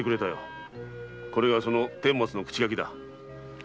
これがその顛末の口書きだ。